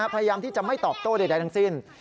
พยายามที่จะไม่ตอบโต้ใดทั้งสิ้น